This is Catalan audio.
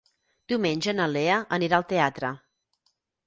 Diumenge na Lea anirà al teatre.